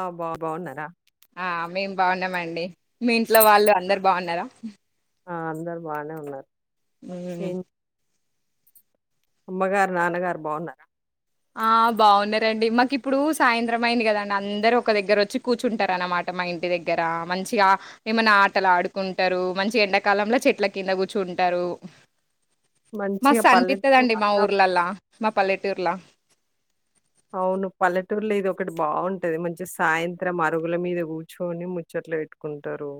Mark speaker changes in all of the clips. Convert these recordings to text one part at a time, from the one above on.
Speaker 1: ఆ బా బాగున్నారా
Speaker 2: ఆ మేం బాగున్నామండి మీ ఇంట్లో వాళ్ళు అందరు బాగున్నారా
Speaker 1: ఆ అందరు బానే ఉన్నారు
Speaker 2: ఉమ్
Speaker 1: ఏం అమ్మగారు నాన్నగారు బాగున్నారా
Speaker 2: ఆ బాగున్నారండి మాకు ఇప్పుడు సాయంత్రం అయింది కదండి అందరు ఒక దగ్గర వచ్చి కూర్చుంటారు అన్నమాట మా ఇంటి దగ్గర మంచిగా ఏమన్నా ఆటలు ఆడుకుంటారు మంచి ఎండాకాలంలో చెట్ల కింద కూర్చుంటారు
Speaker 1: మంచిగా
Speaker 2: మస్తు
Speaker 1: పల్లెటూరు
Speaker 2: అనిపిత్తదండి మా
Speaker 1: వాతావరణం
Speaker 2: ఊర్లలా మా పల్లె టుర్లా
Speaker 1: అవును పల్లెటూర్లో ఇది ఒకటి బాగుంటది మంచి సాయంత్రం అరుగుల మీద కూర్చుొని ముచ్చట్లు పెట్టుకుంటరు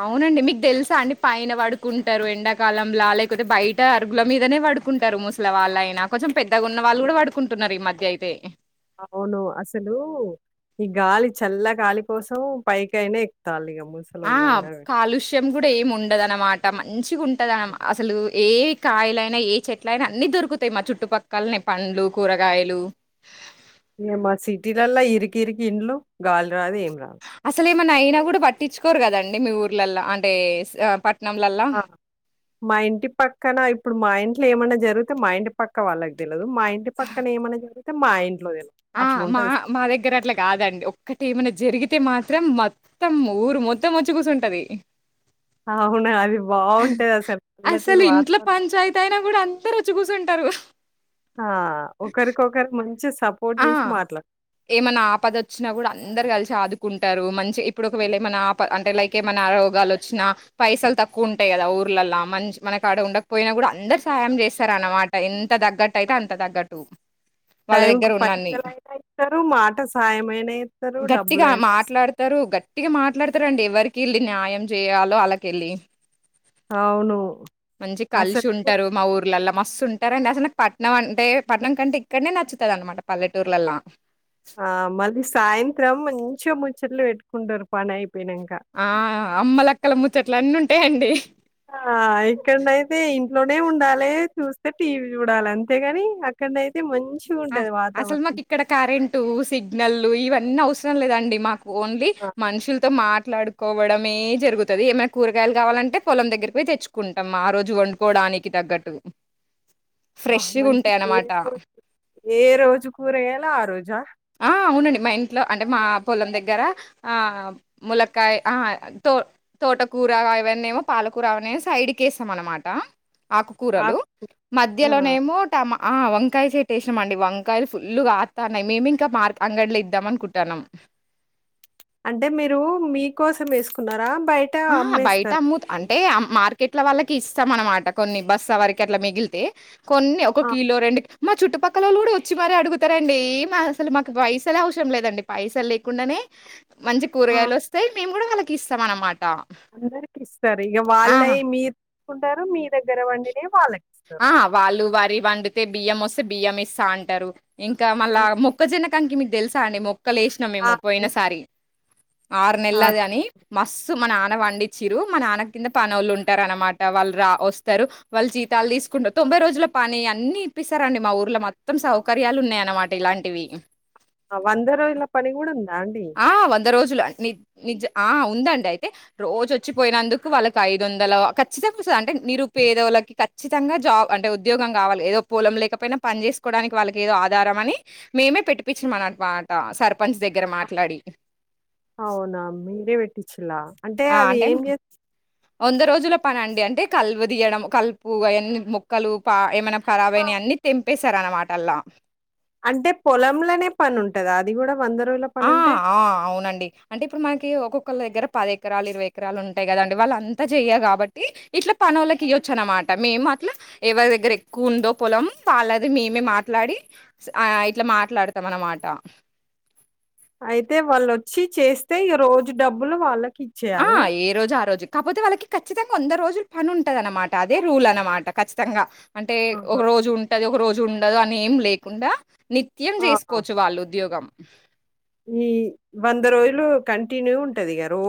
Speaker 2: అవునండి మీకు తెలుసా అండి పైన పడుకుంటారు ఎండాకాలంలా లేకపోతే బయట అరుగుల మీదనే పడుకుంటారు ముసలవాళ్ళు అయినా కొంచెం పెద్దగా ఉన్న వాళ్ళు కూడా పడుకుంటున్నారు ఈ మధ్య అయితే
Speaker 1: అవును అసలు ఈ గాలి చల్లగాలి కోసం పైకైనా ఎక్కలి ఇగ
Speaker 2: ఆ కాలుష్యం కూడా ఏమిండదున్నమాట మంచిగా ఉంటుంద ఆమ అసలు ఏ కాయలైనా ఏ చెట్ల అయినా అన్ని దొరుకుతాయి మా చుట్టుపక్కలని పండ్లు కూరగాయలు
Speaker 1: ఏంగ మా సిటీలల్లొ ఇరికి ఇరికి ఇండ్లు గాలి రాదు ఏం గావును
Speaker 2: మన అయినా కూడా పట్టించుకోరు కదండి. మీ ఊర్లల్లో అంటే పట్
Speaker 1: మా ఇంటి పక్కన అయి ఇప్పుడు మా ఇంట్లో ఏమైనా జరిగితే మా ఇంట్ పక్క వాళ్ళకి తెలదు, మా ఇంట్ పక్కన ఏమై జరిగితే మా ఇం
Speaker 2: ఆ మా మా దగ్గర అట్లా కాదండి ఒక్కటి ఏమైనా జరిగితే మా త్రం మొత్తం ఊరు మొత్తం వచ్చి కూచుంటది
Speaker 1: ఆవునా అది బావుంటదసలు. పల్లెటూరు
Speaker 2: అసలు ఇంట్లో
Speaker 1: వాతావరణం.
Speaker 2: పంచాయతీ అయినా కూడా అం దరొచ్చి కూచుంటారు
Speaker 1: ఆ ఒకరికొకరు మంచి స్
Speaker 2: ఆ ఏమన్నా ఆపద వచ్చినా కూడా అందరు కలిసి ఆదు కుంటారు మంచి ఇప్పుడు ఒకవేళేమన్నా ఆప అంటే లైక్ ఏమనా రోగాలు వచ్చినా పైసలు తక్కువ ఉంటాయి కదా ఊర్లలా, మంచి మనకాడ ఉండకపోయినా కూడా అందరు సాహాయం చేస్తారు, అనమాట ఎం త దగ్గట్టు అయితే అంత దగ్గట్టు వాళ్ళ దెగ్గ్
Speaker 1: టైంకి పైసలైనా ఇతరు మాట సాయంమయినా ఎత్తరు
Speaker 2: గట్టిగా
Speaker 1: డబ్బులైనా ఇస్తా
Speaker 2: ర అండి ఎవరికెళ్ళి న్యాయం చేయాలో అల్లాకెళ్ళి
Speaker 1: అవును.
Speaker 2: మంచి కలిసి
Speaker 1: అసలు
Speaker 2: ఉంటారు మా ఊర్లలో మ మస్తు ఉంటారండి అసలు పట్నం అంటే పట్నం కంటే ఇక్కడనే నచ్చు ద అన్నమాట పల్లటూర్లలా
Speaker 1: ఆ మళ్ళీ సాయంత్రం మంచిగా ముచ్చట్లు పెట్టుకుంటారు పనైపో
Speaker 2: ఆ అమ్మలక్కల ముచ్చట్ ట్లన్నీ ఉంటాయండి
Speaker 1: ఆ! ఇక్కడనైతే ఇంట్లోనే ఉండాలి చూస్తే టీవీ చూడాలి అంతేగాని అక్కడ నయితే మం
Speaker 2: అసలు మాకు ఇక్కడ కరెంటు సిగ్నల్ ఇవ న్ని అవసరం లేదండి మాక్ ఓన్లీ
Speaker 1: ఆ!
Speaker 2: మనుషులతో మాట్ మాట్లాడుకోవడమే జరుగుతది ఏమైనా కూరగాయలు కావాలంటే పొలం దగ్గర పోయి తెచ్చుకుంటాం ఆ రోజు వండుకోవడానికి తగ్గట్టు
Speaker 1: అబ్బా!
Speaker 2: ఫ్రెషగా ఉంటాయి
Speaker 1: మంచిగా ఏ
Speaker 2: అన్నమాట
Speaker 1: రోజు ఏ రోజు కూరగయలు ఆ రోజా
Speaker 2: ఆ! అవునండి. మా ఇంట్లో అంటే మా పొలం దగ్గర ఆ ములక్కయ ఆహా తో తోటకూర అవన్నమో పాలకూర అవన్నేమో సైడ్కి వేస్తాం అనమాట ఆకుకూరలు
Speaker 1: ఆక్ ఆ!
Speaker 2: మధ్యలోనేమో టమా అహ వంకాయ చేట్టెసినిమండి వంకాయలు ఫుల్లు కాతనైయి మేమే ఇంకా మార్క్ అంగడ్లో ఇద్దాం అనుకుంటానం
Speaker 1: అంటే మీరు మీకోసం వేసుకున్నారా బయట
Speaker 2: అహా! బయట
Speaker 1: అమ్మేస్తారా
Speaker 2: అమ్ము అంటే మార్కెట్ల వాళ్ళకి ఇస్తాం అన్నమాట కొన్ని బస్సు వరకి అట్లా మిగిలితే కొన్ని ఒక
Speaker 1: ఆ!
Speaker 2: కిలో రెండు కిల్ మా చుట్టుపక్కల పక్కల వాళ్ళు కూడా వచ్చి మర అడుగుతారండి మా అసలు మాకు పైసలు అవసరం లేదండి పైసలు లేకుండానే మంచి కూరగాయలు వస్తాయి మేము కూడా వాళ్ళకి ఇస్తా నమాట
Speaker 1: అందరికి ఇస్తారు ఇక వాళ్లయి మీరు కుంటారు మీ దగ్గర పండినయి వాళ్ళకి
Speaker 2: ఆ వాళు వారి వందితే బియ్య మోస్ బియ్యం ఇస్తా అంటారు ఇంకా
Speaker 1: ఆ!
Speaker 2: మళ్ళా మొక్కజన్న కంకి మీకు తెలుసా అండి మో మొక్కలేసినం అండి
Speaker 1: ఆ!
Speaker 2: మేము పోయిన
Speaker 1: తెలుసు.
Speaker 2: సారి ఆరు
Speaker 1: ఆ!
Speaker 2: నెలది
Speaker 1: తెలుసా
Speaker 2: అని మస్ ఫస్ట్ మా నాన్న పండిచ్చిర్రు మా నాన్న కింద పనళ్ళు ఉంటారు అనమాట వాళ్ళు రా వస్తారు వాళ్ళు చి బస్తాలు తీసుకుంటారు తొంభై రోజుల పానీ అన్ని ఇప్పస్తారండి మా ఊర్లో మొత్తం సౌకర్యాలు ఉన్నాయి అన్నమాట ఇలాంటివి
Speaker 1: వంద రోజుల పని కూడా ఉందా అండి?
Speaker 2: ఆ వంద రోజు ని ని నిజ ఆ ఉందండి అయితే రోజు వచ్చిపోయినందుకు వాళ్ళకి ఐదు వందల ఖచ్చితంగా వస్తుంది అంటే నిరుపేదోలకి ఖచ్చితంగాాబ్ అంటే ఉద్యోగం కావాలి ఏదో పొలం లేకపోయినా పని చేేసుకోవడానికి వాళ్ళకి ఏదో ఆధారం అని మేమే పెట్టిపించినాం అన్నమాట సర్పంచ్ దగ్గర మా మాట్లాడి
Speaker 1: అవునా మీర పే ఇలా అంటే అది ఏం చే
Speaker 2: వంద రోజుల పని అండి అంటే కలువ తీయడం కలుపు అవన్నీ మొక్కలు పా ఏమైనా
Speaker 1: ఆ!
Speaker 2: కరబైని అన్ని తెంపి వేసారు అన్నమాట అల్లా
Speaker 1: అంటే పొలంలోనే పని ఉంటది అది కూడా వందరో
Speaker 2: ఆ ఆ అవునండి అంటే ఇప్పుడు మనకి ఒక్కొక్కళ్ళ దగ్గర పది ఎకరాలు ఇరవై ఎకరాలు ఉంటాయి కదండి వాళ్ళ అంతా చెయ్య కాబట్టి ఇట్లా పనోల్లకి ఇయ్వొచ్చు అనమాట మేము అట్లా ఎవరి దగ్గర ఎక్కువ ఉందో పొలం వాళ్ళది మేమే మాట్లాడి ఆ ఇట్లా మాట్లాడతాం అన్నమాట
Speaker 1: అయితే వాళ్ళొచ్చి చేస్తే ఈ రోజు డబ్బులు వాళ్ళకి
Speaker 2: ఆ ఏ రోజు ఆ రోజు కాకపోతే వాళ్ళకి ఖచ్చితంగా వంద రోజులు పని ఉంటది అన్నమాట అదే రూల్ నీ ఇష్టం అన్నమాట ఖచ్చితంగా అంటే ఒక
Speaker 1: ఆహా!
Speaker 2: రోజు ఉంటది ఒక రోజు ఉండదు అని ఏం లేకుండా నిత్యం
Speaker 1: ఆహా!
Speaker 2: చేసుకోవచ్చు వాళ్ళు ఉద్యోగం
Speaker 1: ఈ వంద రోజులు కంటిన్యూ ఉంటా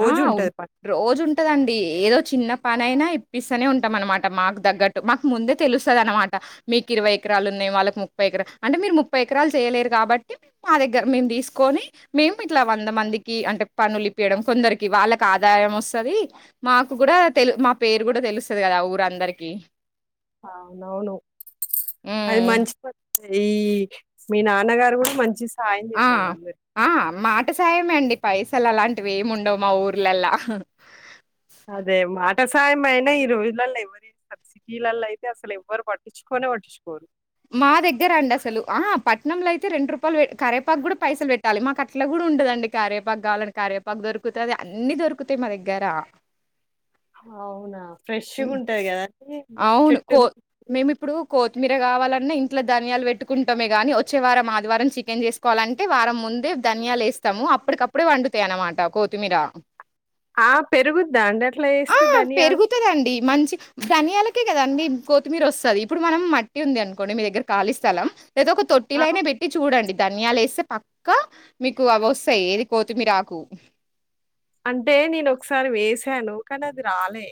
Speaker 2: ఆ రోజు ఉంటదండి ఏదో చిన్న పనైనా ఇప్పస్తనే ఉంటాం అన్నమాట మాకు తగ్గట్టు మాకు ముందే తెలుస్తదనమాట మీకు ఇరవై ఎకరాలు ఉన్నాయి వాళ్ళకి ముప్పై ఎకరాలు అంటే మీరు ముప్పై ఎకరాలు చేయలేరు కాబట్టి మా దగ్గర మేము దీసుకొని మేము ఇట్లా వంద మందికి అంటే పనులు ఇప్పయడం కొందరికి వాళ్ళకి ఆదాయం వస్తది మాకు కూడా తెలు మా పేరు కూడా తెలుస్తుంది కదా ఊరందరికి
Speaker 1: అవునవును అది
Speaker 2: హ్మ్.
Speaker 1: మంచి పని ఈ మీ నాన్నగారు గూడా మంచి సాయం చేస్తాడు అందరికీ
Speaker 2: ఉటి సాయమే అండి పైసలు అలాంటివి ఏమి ఉండవు మా ఊర్లలా
Speaker 1: అదే మాట సాయం అయినా ఈ రోజులలో ఎవ్వరు చేస్తా సిటీలాల్ల అయితే అసలు ఎవ్వరు పట్టించుకోనే పట్టించుకోరు
Speaker 2: మా దగ్గర అండి అసలు ఆ పట్నంలో అయితే రెండు రూపాయలు కరేపాకు కూడా పైసలు పెట్టాలి మాకు అట్లా కూడ ఉండదండి కారేపాకు కావాలంటే కరేపాకు దొరుకుత అన్ని దొరుకుతాయి మా దగ్గరా
Speaker 1: అవునా ఫ్రెష్గా ఉంటది గదా అది
Speaker 2: అవును.
Speaker 1: చెట్టు
Speaker 2: కో
Speaker 1: మీ
Speaker 2: మేమిప్పుడు కొత్తిమీర గావాలన్నా ఇంట్లో ధన్యాలు పెట్టుకుంటామే గాని వచ్చే వారం ఆదివారం చికెన్ చేసుకోవాలంటే వారం ముందే ధన్యాలు వేస్తాము అప్పటికప్పుడే పండుతాయి అన్నమాట కొత్తిమీర
Speaker 1: ఆ పెరుగుద్దా అండి అట్ల
Speaker 2: ఆ!
Speaker 1: యేస్తే ధనియాలు
Speaker 2: పెరుగుతదండి. మంచి ధనియాలకే కదా అండి కొత్తిమీర వస్తది ఇప్పుడు మనం మట్టి ఉంది అనుకోండి మీ దగ్గర కాళీ స్థలం ఏదో ఒక
Speaker 1: ఆ
Speaker 2: తొట్టిలయినా పెట్టి చూడండి ధన్యాలు యే స్తే పక్కా మీకు అవి వస్తాయి ఏది కోతు మీ ఆకు
Speaker 1: అంటే నేను ఒకసారి వేసాను కానీ అది రాలే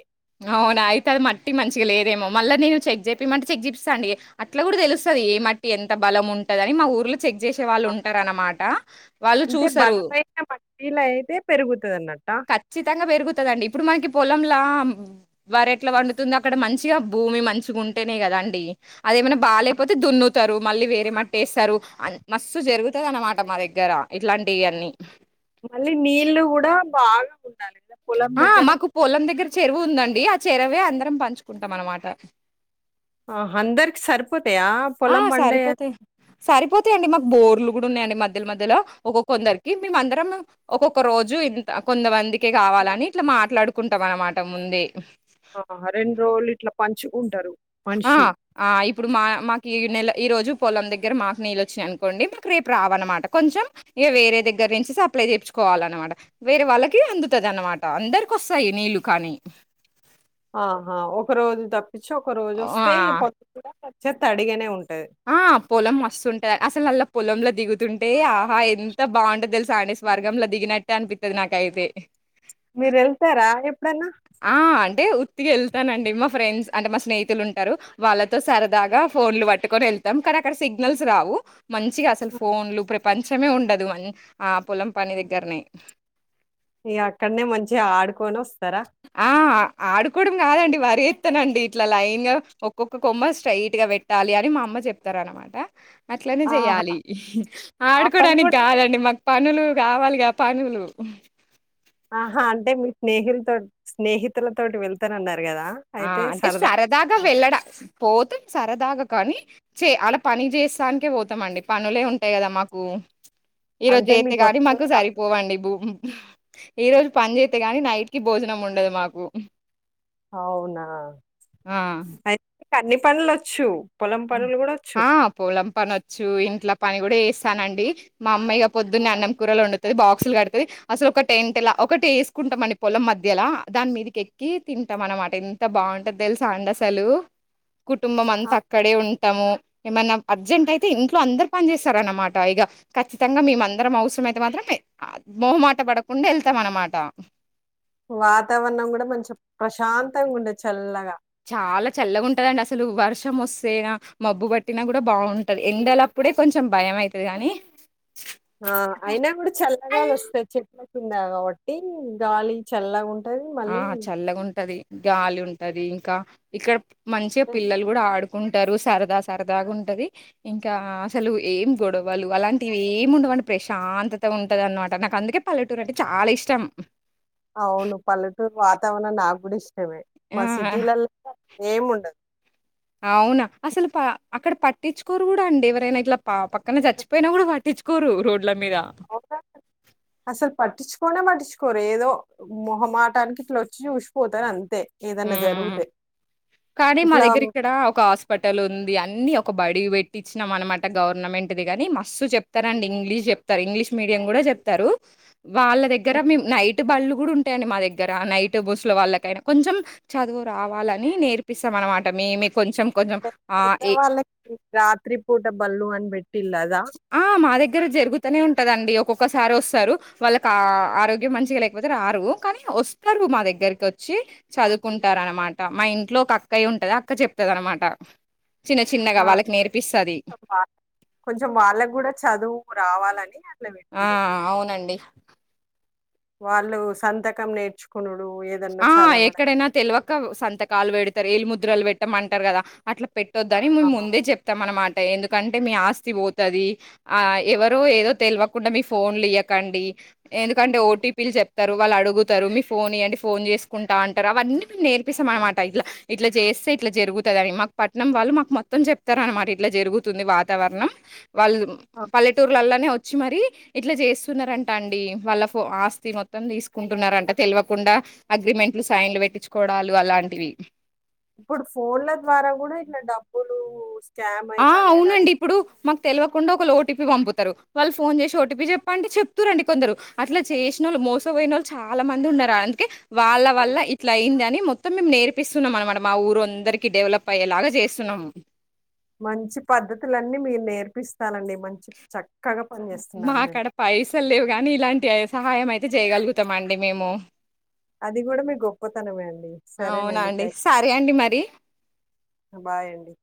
Speaker 2: ట్ మంచిగా లేదేమో మళ్ళీ నేను చెక్ జేపీమంటే చెక్ జెపిస్తా అండి అట్లా కూడా తెలుస్తుంది ఏ మట్టి ఎంత బలం ఉంటద అని మా ఊర్లో చెక్ జేసే
Speaker 1: ఆ,
Speaker 2: వాళ్ళు ఉంటారు అన్నమాట వాళ్ళు
Speaker 1: అంటే
Speaker 2: చూస్తారు
Speaker 1: బలమైన మట్టిలో అయితే పెరుగుతది అన్నట్ట
Speaker 2: కచ్చితంగా పెరుగుతుందిండి ఇప్పుడు మనకి పొలలా వారు ఎట్లా వండుతుందిో అక్కడ మంచిగా భూమి మంచిగా ఉంటేనే గదాండి అదేమైనా బాలేకపోతే దున్నుతారు మళ్ళీ వేర మట్టిేస్తారు మస్స్తు జరుగుతదనమాట మా దగ్గర ఇట్లాంటివివన్నీ
Speaker 1: మళ్ళీ నీల్లు గూడా బాగా ఉ
Speaker 2: ఆ మాకు పోలం దగ్గర చెరువు ఉందండి ఆ చెరవే అందరం పంచుకుంటాం అనమాట
Speaker 1: ఆ అందరికి సర్పు
Speaker 2: ఆ సరిపోతాయి సరిపోతాయిండి మాకు బోర్లు ఉన్నాయండి మధ్య మధ్యలో ఒక కొందరికి మే అందరం ఒక్కొక్క రోజు ఇ కొంత మంది కావాలని ఇట్లా మాట్లాడుకు కుంటాం అనమాట ముంది
Speaker 1: ఆ రెండు రోజులు ఇట్లా పంచు ఉంటారు
Speaker 2: ఆ ఆ ఇప్పుడు మా మా ఈ నెల ఈ రోజు పొలం దగ్గర మాకు నీళ్ళు వచ్చినాయి అనుకోండి మాకు రేపు రావనమాట కొంచెం ఇక వేరే దగ్గర నుంచి సప్లై చేపిచ్చుకోవాలనమాట వేరే వాళ్ళకి అందుతంది అనమాట అందరికి వస్తాయి నీళ్ళలు కానీ
Speaker 1: ఆహా ఒక రోజు తక్ ఇచ్చక
Speaker 2: ఆ!
Speaker 1: జస్తే పడుతు కొచ్చేప్ తడిగనే ఉన్
Speaker 2: ఆ పొలం మస్తుంటది, అసలు అల్ల పొలంల దిగుతుంటే ఆహా, ఎంత బాగుంటది తెలుసా అండి? స్వర్గంలో దిగినట్టే అనిపిత్తది నాకైతే.
Speaker 1: డన్న?
Speaker 2: ఆ అంటే ఉత్తిగ వెళ్తానండి మా ఫ్రెండ్స్ అంటే మా స్నేహితులు ఉంటరు. వాళ్ళతో సరదాగా ఫోన్లు పట్టుకొని వెళ్తాం, కనక్కడ సిగ్నల్స్ రావు. మంచిగా అసలు ఫోన్లు ప్రపంచమే ఉండదు, ఆ పొలం పని దగ్గరనే.
Speaker 1: ఇగ అక్కడ్నే మంచిగ ఆడుకు కొనొస్తరా?
Speaker 2: ఆ! ఆడుకోవడం కాదండి, వరి ఎత్తనండి ఇట్ల లైన్ గా, ఒక్కొక్క కొమ్మ స్ట్రైట్ గ పెట్టాలి అని మా అమ్మ చెప్తరు అన్నమాట. అట్లనే
Speaker 1: ఆహా!
Speaker 2: చెయ్యాలి,
Speaker 1: ఆ పని
Speaker 2: ఆడుకోడానికి
Speaker 1: గూడా చే
Speaker 2: కాదండి. మాకు పనులు కావాలిగా పనులు?
Speaker 1: ఆహా అంటే, మీ స్నేహిల్ తోట్, స్నేహితులతోటి వెళ్తానన్నరు
Speaker 2: ఆ, అంటే సరదాగా వెళ్ళడా పోతమ్ సరదాగ కనీ చే ఆడ పని చేస్తానికే పోతాంమండి, పనులే ఉంటయి కదా మాకు? ఈ రోజు
Speaker 1: అంటే
Speaker 2: చేత్తె కానీ
Speaker 1: మీకొస్తదో
Speaker 2: మాకు
Speaker 1: రాదో
Speaker 2: సరిపోవండి భూమ్ ఈ రోజు పని చేత్తె గానీ, నైట్ కి భోజనం ఉండదు మాకు.
Speaker 1: అవునా?
Speaker 2: ఆ
Speaker 1: తె అన్ని పనులోచ్చు.
Speaker 2: ఆ పొలం పనొచ్చు, ఇంట్ల పని కూడ చేస్ స్తాన అండి, మా అమ్మాయిగ పొద్దున్నే అన్నం, కూరలు వండుతది. బాక్సులు కడుతది. అసలు ఒకటి టెంట్ లా, ఒకటి ఏసుకుంటమ్ అండి పొలం మధ్యలా, దాని మీదికి ఎక్కి తింటాం అన్నమాట. ఎంత బాగుంటది తెలుసా అండి అసలు?
Speaker 1: ఆ!
Speaker 2: కుటుంబమంతా అక్ ఉంటాము ఏమన్నా అర్జెంట్ అయితే ఇంట్లో అందర్ పని చేస్తారన్నమాట ఇగ, ఖచ్చితంగా మేమ అందరం అవసరం అయితే మాత్రం ఏ మోహమాట పడకుండా ఎళ్తాం అన్నమాట.
Speaker 1: వాతావరణం కూడ మంచిగ ప్రశాంతంగా ఉంటది చల్లగా.
Speaker 2: చాల చల్లగుంటదండి అసలు వర్షం వస్తేనా, మబ్బు పట్టినా కూడ బాగుంటది. ఎండలప్పుడే కొంచెం భయం అయితది గానీ.
Speaker 1: ఆ అయినా కూడ చల్లగాలోస్తది చెట్ల కిన్ కిందా కాబట్టి, గాలి చల్లగున్
Speaker 2: ఆ చల్లగుంటది. గాలి ఉంటది ఇంకా, ఇక్కడ మంచిగ పిల్లలు కూడ ఆడు కుంటరు, సరదా సరదాగా ఉంటది. ఇంకా అసలు ఏం గొడవలు అలాంటివి ఏమి ఉండవు అండి, ప్రశాంతత ఉంటది అన్నమాట. నాకు అందుకే పల్లెటూరు అంటే చాల ఇష్టం.
Speaker 1: అవును, పల్లెటూర్ వాతవరణం నాగ్గుడిష్ టమే, మా
Speaker 2: ఆ!
Speaker 1: సిటీలల్ ఏముండదు.
Speaker 2: అవునా అసలు ప అక్కడ పట్టిచ్చుకోరు కూడ అండి, ఎవరైనా ఇట్ల ప పక్కన చచ్చిపోయినా కూడా పట్టించుకోరు. రోడ్
Speaker 1: అసలు పట్టిచ్చు కొనే పట్టిచ్చుకోరు ఏదో మొహమాటానికి ఇట్ల వచ్చి చూసిపోతరు అంతే. ఏదన్నా
Speaker 2: ఉమ్,
Speaker 1: జరుగుతే.
Speaker 2: కానీ మా
Speaker 1: ఇట్లా
Speaker 2: దగ్గరిక్కడ ఒక హాస్పిటల్ ఉంది అన్ని ఒక్ ఒక బడి పెట్టించినాం అనమాట గవర్నమెంట్దిి గాని, మస్ చెప్తారండి ఇంగ్లీష్ చెప్తారు ఇంగ్లీష్ మీడియం కూడా చెప్తారు. వాళ్ళ దగ్గర మేము నైట్ బళ్ళు గు ఉంటాయని మా దగ్గర ఆ నైట్ బస్సుల వాళ్ళకైనా కొంచెం చదువు రావాలని నేర్పిస్తాం అనమాట మేమే కొంచెం కొంచెం ఆహ్,
Speaker 1: పెద్ద
Speaker 2: ఏ
Speaker 1: వాళ్ళకి రాత్రి పూట బల్లు అని పెెట్టిల్ అది
Speaker 2: ఆ మా దగ్గర జరుగుతూనే ఉంటదండి ఒక్కొక్కసారి వస్తారు వాళ్ళకి ఆరోగ్యం మంచిగా లేకపోతే రారు కానీ వస్తారు మా దగ్గరకి వచ్చి చదువుకుంటారు అనమాట మా ఇంట్లో ఒక అక్కయ ఉంటది అక్క చెప్తది అనమాట చిన్న చిన్నగా
Speaker 1: ఆ!
Speaker 2: వాళ్ళకి నేర్పిస్తుంది
Speaker 1: కూడా చదువు రావాలని అట్లా
Speaker 2: ఆ
Speaker 1: బెట్టిల్లన్నట్టు.
Speaker 2: అవునండి
Speaker 1: వాళ్ళు సంతకం నేర్చుకున్నా
Speaker 2: ఆ ఎక్కడైనా తెలివక సంత కాలు వేడతారు ఏల్ ముదు కులు పెట్టమంటారు కదా అట్లా పెట్ట ద్దని
Speaker 1: ఆ!
Speaker 2: మేము ముందే చెప్తాం అన్నమాట ఎందుకంటే మీ ఆస్తి పోతుది ఆ ఎవరో ఏదో తెలియకుండా మీ ఫోన్లు ఇయకండి ఎందుకంటే ఓటీపీలు చెప్ రు వాళ్ళు అడుగుతారు మీ ఫోన్ అంటే ఫోన్ చేసుకుంటా అంటారు అవన్నీ మేము నేర్పిస్తాం అనమాట ఇట్లా ఇట్లా చేస్తే ఇట్లా జరుగుతుంది అని మాకు పట్టణం వాళ్ళు మాకు మొత్తం చెప్తారు అనమాట ఇట్లా జరుగుతుంది వాతావరణం వాళ్ళు
Speaker 1: ఆ!
Speaker 2: పల్లెటూర్లలోనే వచ్చ వచ్చి మర ఇట్లా చేస్తున్నారంట అండి వాళ్ళ ఫ ఆస్తి మొత్తం తీసుకుంటున్నారంట తెలియకుండా అగ్రిమెంట్లు సైన్లు పెట్టించుకోవడాలు అలాంటివి
Speaker 1: ఇప్పుడు ఫోన్ల ద్వారా కూడా ఇట్లా డబ్బులు స్కామ్
Speaker 2: ఆ
Speaker 1: అయితాన్నాయని అది
Speaker 2: అవునండి ఇప్పుడు మాకు తెలియకుండా ఒక లోటు ఓటిపీ పంపుతారు వాళ్ళు ఫోన్ చేసి ఓటీపీ చెప్పంటే చెప్త రండి కొందరు అట్లా చేసిన వాళ్ళ మోసం పోయి వాళ్ళు చాలా మంది ఉన్నారు అందుకే వాళ్ళ
Speaker 1: అవును.
Speaker 2: వల్ల ఇట్లా అయింది అని మొత్తం మేము నేర్ చపిస్తున్నాం అనమాట మా ఊరు అందరికి డెవలప్ అయ్యేలాగా చేస్తున్నాం
Speaker 1: మంచి పద్ధతులన్నీ మీరు నేర్పిస్తనండి
Speaker 2: మా అక్కడ పైసలు లేవు కాని ఇలాంటి అ సహాయం అయితే చేయగలుగుతాం అండి మేము
Speaker 1: అది కూడా మీ గొప్పతనమే అండి
Speaker 2: అవునా
Speaker 1: సరేనండి
Speaker 2: అండి
Speaker 1: థ్యాంక్
Speaker 2: సరే అండి మరి
Speaker 1: యూ బాయండి